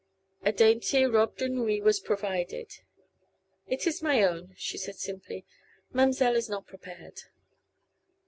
A dainty robe de nuit was provided. "It is my own," she said simply. "Ma'm'selle is not prepared."